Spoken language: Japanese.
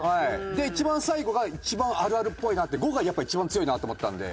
で一番最後が一番あるあるっぽいなって５がやっぱ一番強いなって思ったんで。